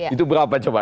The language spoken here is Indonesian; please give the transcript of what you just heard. itu berapa coba